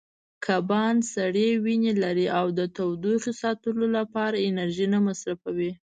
کبان سړې وینې لري او د تودوخې ساتلو لپاره انرژي نه مصرفوي.